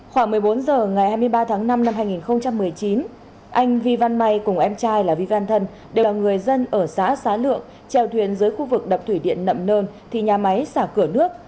khoảng một mươi bốn h ngày hai mươi ba tháng năm năm hai nghìn một mươi chín anh vi văn may cùng em trai là vi văn thân đều là người dân ở xã xá lượng trèo thuyền dưới khu vực đập thủy điện nậm nơn thì nhà máy xả cửa nước